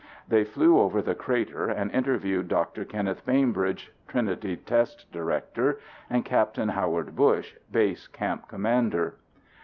They flew over the crater and interviewed Dr. Kenneth Bainbridge, Trinity test director, and Capt. Howard Bush, base camp commander.